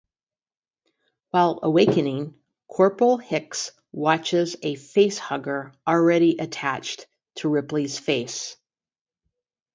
While awakening, Corporal Hicks watches a facehugger already attached to Ripley's face.